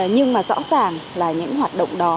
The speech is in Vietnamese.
nhưng mà rõ ràng là những hoạt động đó